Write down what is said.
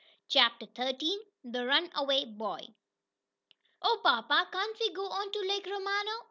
CHAPTER XIII THE RUNAWAY BOY "Oh, papa, can't we go on to Lake Romano?"